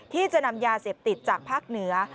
ที่จะนำยาเสพติดจากภาคเหนือ